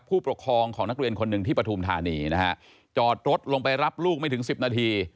ผู้ปกครองของนักเรียนคนหนึ่งที่ปฐุมธานีนะฮะจอดรถลงไปรับลูกไม่ถึงสิบนาที